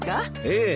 ええ。